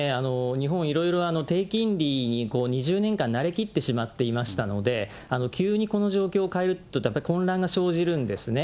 日本、いろいろ低金利にこの２０年間慣れきってしまっていましたので、急にこの状況を変えるとやっぱり混乱が生じるんですね。